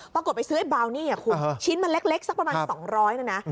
ปรากฏไปซื้อไอ้บราวนี่ชิ้นมันเล็กสักประมาณ๒๐๐นิดหนึ่งนะ